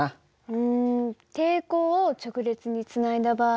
うん抵抗を直列につないだ場合